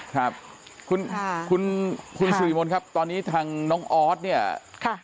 ครับคุณค่ะคุณคุณสิริมนต์ครับตอนนี้ทางน้องออสเนี่ยค่ะ